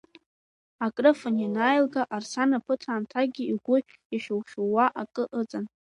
Акрыфан ианааилга, Арсана ԥыҭраамҭакгьы игәы ихьу-хьууа акы ыҵан.